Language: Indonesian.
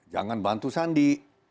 jangan bantu sandi